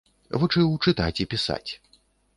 Вучыў чытаць і пісаць.